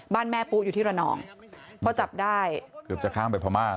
แม่ปุ๊อยู่ที่ระนองพอจับได้เกือบจะข้ามไปพม่า